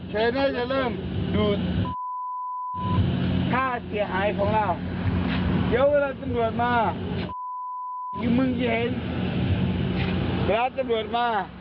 เธอยากเจียงไหม